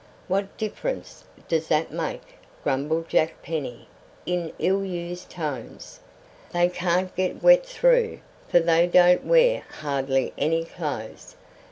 "What difference does that make?" grumbled Jack Penny in ill used tones. "They can't get wet through, for they don't wear hardly any clothes.